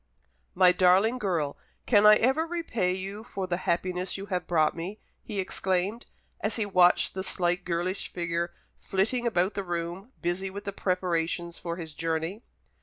"My darling girl, can I ever repay you for the happiness you have brought me!" he exclaimed, as he watched the slight girlish figure flitting about the room, busy with the preparations for his journey.